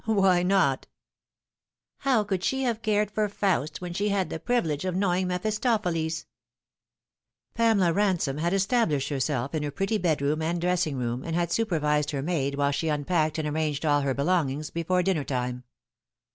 " Why not ?"" How could she have cared for Faust, when she had the privilege of knowing MephLtopheles ?" Pamela Ransome had established herself in her pretty bed room and dressing room, and had supervised her maid while she unpacked and arranged all her belongings, before dinner time.